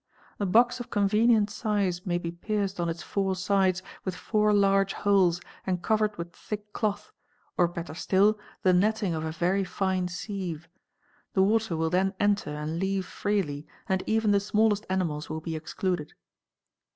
. box of convenient size may be pierced on its four sides with four urge holes and covered with thick cloth, or better still the netting of a yery fine sieve: the water will then enter and leave freely and even the "smallest animals will be excluded.